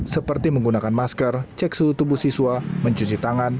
seperti menggunakan masker cek suhu tubuh siswa mencuci tangan